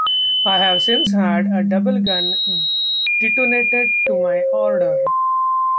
I have since had a double gun detonated to my order.